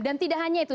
dan tidak hanya itu